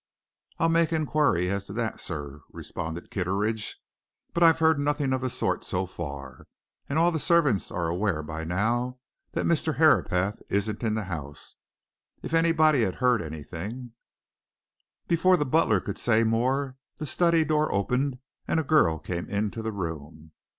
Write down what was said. "I'll make inquiry as to that, sir," responded Kitteridge, "but I've heard nothing of the sort so far, and all the servants are aware by now that Mr. Herapath isn't in the house. If anybody had heard anything " Before the butler could say more the study door opened and a girl came into the room.